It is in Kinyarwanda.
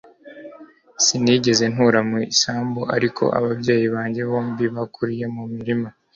Sinigeze ntura mu isambu, ariko ababyeyi banjye bombi bakuriye mu mirima.